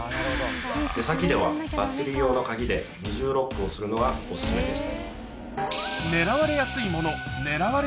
出先ではバッテリー用の鍵で二重ロックをするのがお薦めです。